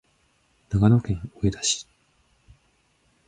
長野県上田市